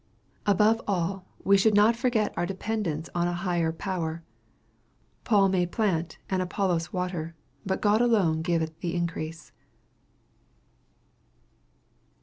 Above all, we should not forget our dependence on a higher Power. "Paul may plant, and Apollos water, but God alone giveth the increase."